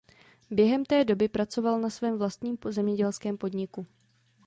Během té doby pracoval na svém vlastním zemědělském podniku.